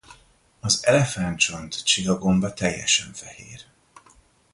Az elefántcsont-csigagomba teljesen fehér.